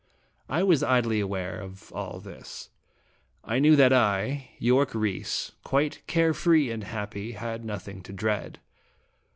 I was idly aware of all this. I knew that I, Yorke Rhys, quite care free and happy, had nothing to dread.